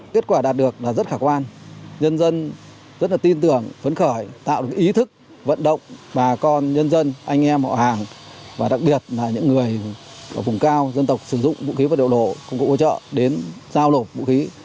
kết quả đạt được là rất khả quan nhân dân rất là tin tưởng phấn khởi tạo được ý thức vận động bà con nhân dân anh em họ hàng và đặc biệt là những người ở vùng cao dân tộc sử dụng vũ khí vật liệu đổ công cụ hỗ trợ đến giao nộp vũ khí